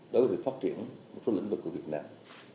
đó là việc phát triển một số lĩnh vực của việt nam